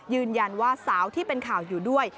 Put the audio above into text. ยืนยันว่าสาวที่เป็นข่าวอยู่ด้วย